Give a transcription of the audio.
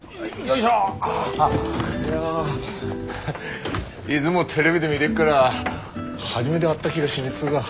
いやいづもテレビで見でっから初めて会った気がしねえっつうが。